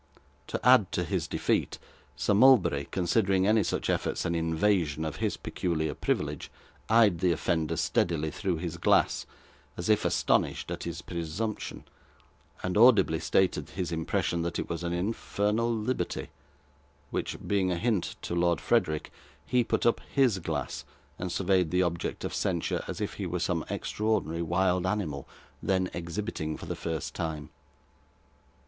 To add to his defeat, Sir Mulberry, considering any such efforts an invasion of his peculiar privilege, eyed the offender steadily, through his glass, as if astonished at his presumption, and audibly stated his impression that it was an 'infernal liberty,' which being a hint to Lord Frederick, he put up HIS glass, and surveyed the object of censure as if he were some extraordinary wild animal then exhibiting for the first time.